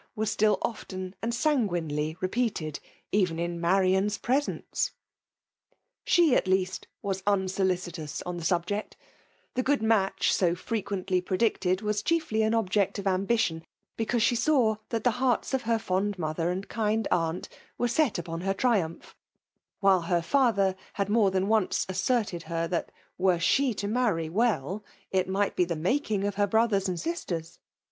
* 'wras BtiU often ^^j angimA^ i^2ktedjf eveix in Marian V p;0^ f$k;ial\fiasliTwas unsolicdtous on tlie subject The gpod match, so frequently predicted, was fMA^ an object of ambition, because sh^ sa^r that the lieails of lier fond mother and. khd unt were set upon ber triumph ; whDfi h^t father had more than once assured her that, were the to marry '' well/' it might be Uie maldiigofher brothers and sisters.